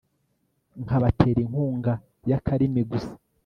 nkabatera inkunga y'akarimi gusa